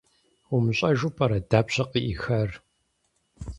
УмыщӀэжу пӀэрэ, дапщэ къыӀихар?